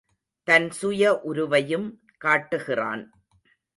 தன் சுய உருவையும் காட்டுகிறான்.